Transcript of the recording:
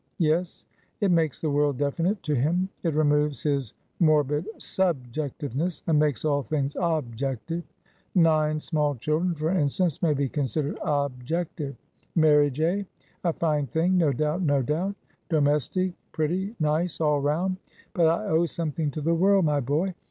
Yes, it makes the world definite to him; it removes his morbid _sub_jectiveness, and makes all things _ob_jective; nine small children, for instance, may be considered _ob_jective. Marriage, hey! A fine thing, no doubt, no doubt: domestic pretty nice, all round. But I owe something to the world, my boy!